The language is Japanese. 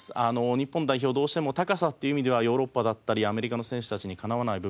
日本代表どうしても高さっていう意味ではヨーロッパだったりアメリカの選手たちにかなわない部分もある。